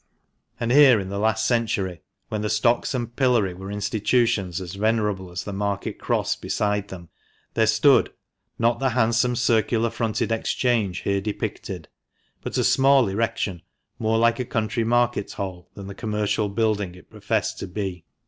And here, in the last century, when the stocks and pillory were institutions as venerable as the Market Cross beside them, there stood, not the handsome circular fronted Exchange here depicted, but a small erection more like a country market hall than the commercial building it professed to be, 480 FINAL APPENDIX.